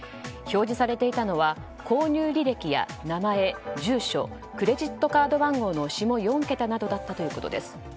表示されていたのは購入履歴や名前、住所クレジットカード番号の下４桁などだったということです。